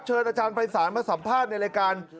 อาจารย์ภัยศาลมาสัมภาษณ์ในรายการ